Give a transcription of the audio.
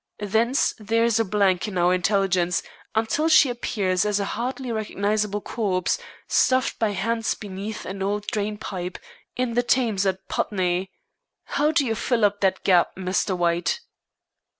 Thence there is a blank in our intelligence until she appears as a hardly recognizable corpse, stuffed by hands beneath an old drain pipe in the Thames at Putney. How do you fill up that gap, Mr. White?"